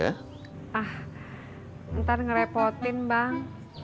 ah ntar ngerepotin bang